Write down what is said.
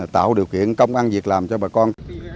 tạo điều kiện công ăn việc làm cho bà con